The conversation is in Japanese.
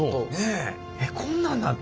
えっこんなんなってんの？